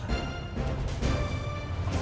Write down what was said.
ya aku masuk duluan ya